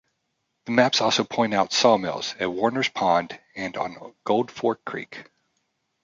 The maps also point out sawmills at Warner's Pond and on Gold Fork Creek.